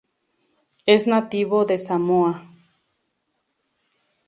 Es nativo de Samoa.